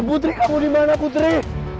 putri kamu dimana putri